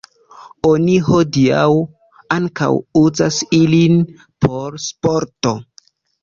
Oni hodiaŭ ankaŭ uzas ilin por sporto.